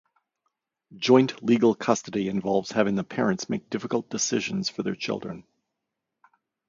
Joint legal custody involves having the parents make difficult decisions for their children.